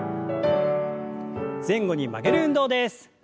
前後に曲げる運動です。